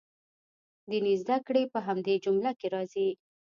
دیني زده کړې په همدې جمله کې راځي.